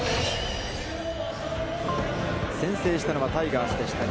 先制したのはタイガースでした。